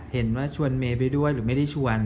เห็นว่าชวนเมย์ไปด้วยหรือไม่ได้ชวน